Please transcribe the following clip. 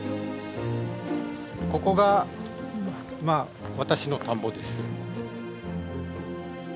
ここがまあ私の田んぼです。